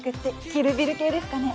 『キル・ビル』系ですかね？